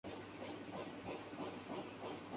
ان میں وہ نہ تھی۔